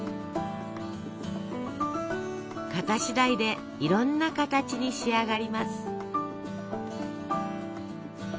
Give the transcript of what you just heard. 型次第でいろんな形に仕上がります。